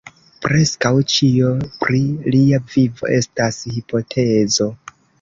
Preskaŭ ĉio pri lia vivo estas hipotezo.